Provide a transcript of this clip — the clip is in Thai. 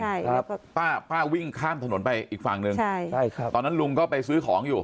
ใช่ครับป้าป้าวิ่งข้ามถนนไปอีกฝั่งหนึ่งใช่ใช่ครับตอนนั้นลุงก็ไปซื้อของอยู่